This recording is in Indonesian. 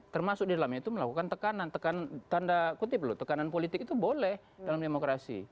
termasuk di dalamnya itu melakukan tekanan tekan tanda kutip loh tekanan politik itu boleh dalam demokrasi